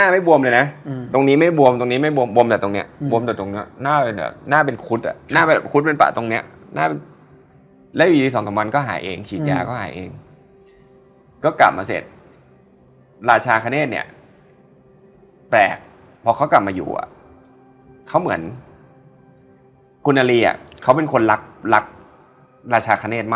มันไม่มีอะไรเออเออตรงโน้นของไหว้ไหว้เสร็จเขาไม่มีใครเอามากินต่อ